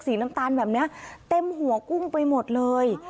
น้ำตาลแบบนี้เต็มหัวกุ้งไปหมดเลย